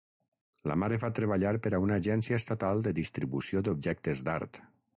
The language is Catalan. La mare va treballar per a una agència estatal de distribució d'objectes d'art.